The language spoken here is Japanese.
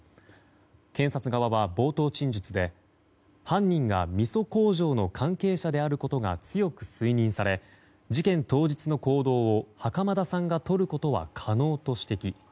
検察側は冒頭陳述で、犯人がみそ工場の関係者であることが強く推認され事件当日の行動を袴田さんがとることは可能と指摘。